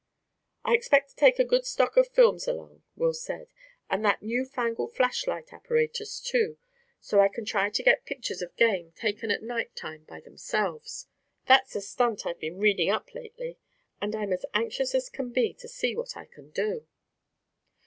"I expect to take a good stock of films along," Will said, "and that new fangled flashlight apparatus, too, so I can try to get pictures of game taken at night time by themselves. That's a stunt I've been reading up lately, and I'm as anxious as can be to see what I can do."